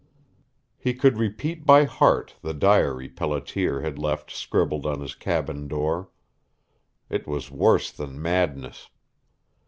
He could repeat by heart the diary Pelletier had left scribbled on his cabin door. It was worse than madness.